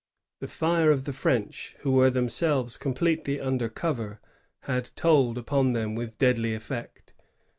The fire of the French, who were themselves com pletely under cover, had told upon them with deadly efi^ect.